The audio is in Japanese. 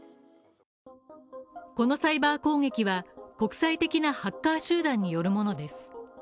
このサイバー攻撃は、国際的なハッカー集団によるものです。